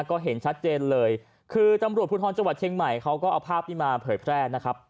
ก็เห็นชัดเจนเลยคือตำรวจภูทรจังหวัดเชียงใหม่เขาก็เอาภาพนี้มาเผยแพร่นะครับ